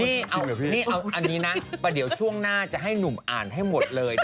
นี่เอาอันนี้นะเดี๋ยวช่วงหน้าจะให้หนุ่มอ่านให้หมดเลย